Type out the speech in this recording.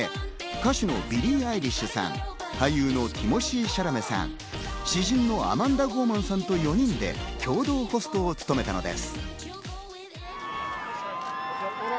大坂選手は今回のイベントの顔として歌手のビリー・アイリッシュさん、俳優のティモシー・シャラメさん、詩人のアマンダ・ゴーマンさんと４人で共同ホストを務めたのです。